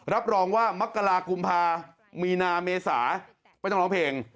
รับรองว่ามักกรากุมภามีนาเมษาไม่ต้องร้องเพลง